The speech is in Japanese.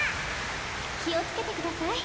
きをつけてください。